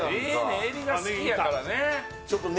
エビが好きやからね。